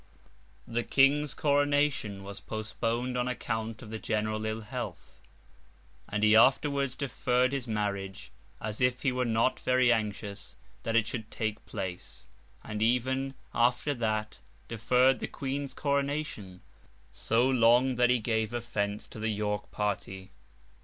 The King's coronation was postponed on account of the general ill health, and he afterwards deferred his marriage, as if he were not very anxious that it should take place: and, even after that, deferred the Queen's coronation so long that he gave offence to the York party.